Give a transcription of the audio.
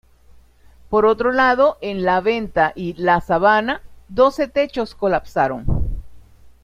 Por otro lado, en La Venta y La Sabana, doce techos colapsaron.